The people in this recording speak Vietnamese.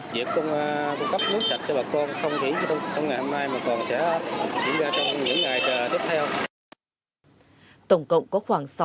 việc cung cấp nước sạch cho bà con không chỉ trong ngày mai mà còn sẽ diễn ra trong những ngày tiếp theo